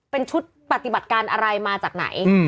เป็นชุดปฏิบัติการอะไรมาจากไหน